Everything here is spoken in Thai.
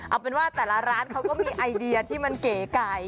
เอาเป็นว่าแต่ละร้านเขาก็มีไอเดียที่มันเก๋ไก่